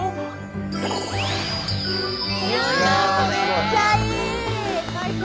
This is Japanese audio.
めっちゃいい！最高！